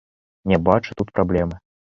Не бачу тут праблемы.